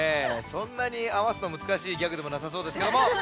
そんなにあわすのむずかしいギャグでもなさそうですけども。